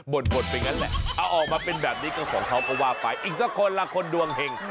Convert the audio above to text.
บ่นบ่นเป็นอย่างนั้นแหละเอาออกมาเป็นแบบนี้ก็ของเขาก็ว่าไปอีกก็คนละคนดวงเห่ง